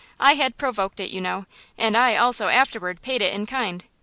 I had provoked it, you know, and I also afterwards paid it in kind.